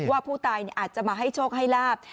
ว่าผู้ตายอาจจะมาให้โชคให้ลาบ